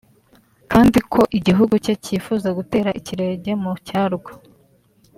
kandi ko igihugu cye cyifuza gutera ikirege mu cyarwo